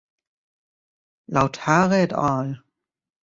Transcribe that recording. Laut Hare et al.